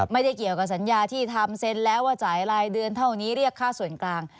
ไม่ได้เกี่ยวกับสัญญาที่ทำเซ็นแล้วว่าจ่ายรายเดือนเท่านี้เรียกค่าส่วนกลาง